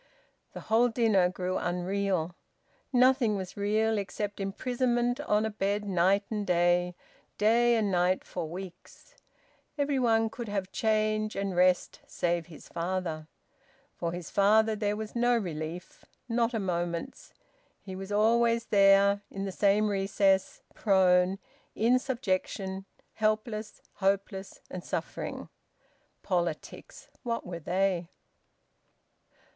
The whole dinner grew unreal. Nothing was real except imprisonment on a bed night and day, day and night for weeks. Every one could have change and rest save his father. For his father there was no relief, not a moment's. He was always there, in the same recess, prone, in subjection, helpless, hopeless, and suffering. Politics! What were they?